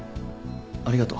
ありがとう。